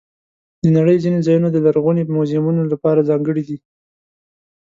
د نړۍ ځینې ځایونه د لرغوني میوزیمونو لپاره ځانګړي دي.